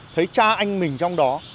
thấy cha anh mình trong đó